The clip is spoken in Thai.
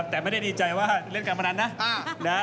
แต่ไม่ได้ดีใจว่าเล่นการพนันนะ